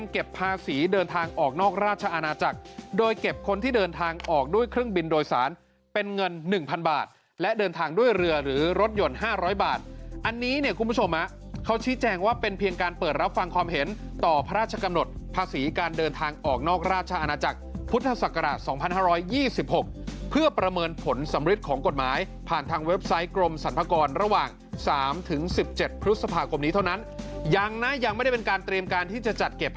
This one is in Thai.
เก็บภาษีเดินทางออกนอกราชาอาณาจักรโดยเก็บคนที่เดินทางออกด้วยเครื่องบินโดยสารเป็นเงินหนึ่งพันบาทและเดินทางด้วยเรือหรือรถยนต์ห้าร้อยบาทอันนี้เนี่ยคุณผู้ชมมาเขาชี้แจงว่าเป็นเพียงการเปิดรับฟังความเห็นต่อพระราชกำหนดภาษีการเดินทางออกนอกราชาอาณาจักรพุทธศักราชสองพันห